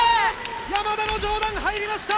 山田の上段入りました！